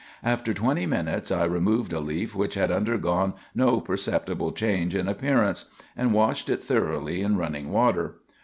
After twenty minutes I removed a leaf which had undergone no perceptible change in appearance, and washed it thoroughly in running water.